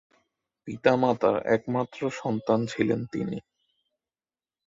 পিতা-মাতার একমাত্র সন্তান ছিলেন তিনি।